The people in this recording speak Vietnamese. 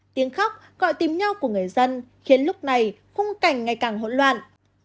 tiếng khóc gọi tìm nhau của người dân khiến lúc này khung cảnh ngày càng hỗn loạn